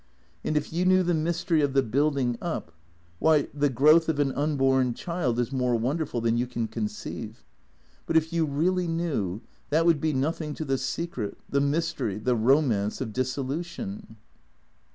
And if you knew the mystery of the building up — why, the growth of an unborn child is more wonderful than you can conceive. But, if you really knew, that would be nothing to the secret — the mystery — the romance of dissolution."